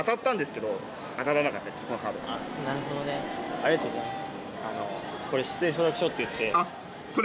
⁉ありがとうございます。